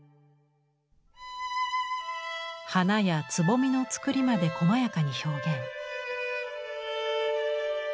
花やつぼみのつくりまでこまやかに表現。